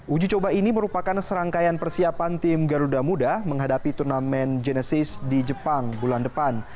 uji coba ini merupakan serangkaian persiapan tim garuda muda menghadapi turnamen genesis di jepang bulan depan